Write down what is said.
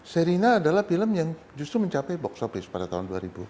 serina adalah film yang justru mencapai box office pada tahun dua ribu